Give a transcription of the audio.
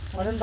hóa đơn đỏ ạ